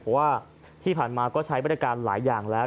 เพราะว่าที่ผ่านมาก็ใช้บริการหลายอย่างแล้ว